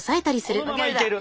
このままいける。